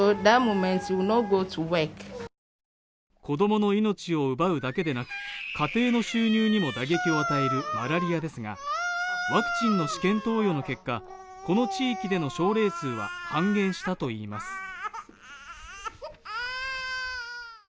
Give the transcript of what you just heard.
子供の命を奪うだけでなく家庭の収入にも打撃を与えるマラリアですがワクチンの試験投与の結果この地域での症例数は半減したといいます